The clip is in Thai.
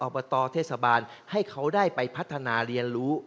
บตเทศบาลให้เขาได้ไปพัฒนาเรียนรู้